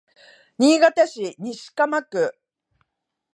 新潟市西蒲区